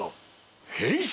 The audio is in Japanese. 変身！